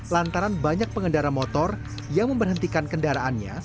lantaran banyak pengendara motor yang memberhentikan kendaraannya